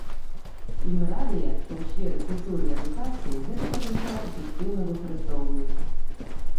І мы радыя, што ў сферы культуры і адукацыі гэты патэнцыял эфектыўна выкарыстоўваецца.